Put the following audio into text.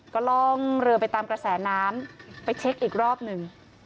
ก็ล่องเรือไปตามกระแสน้ำไปเช็คอีกรอบหนึ่ง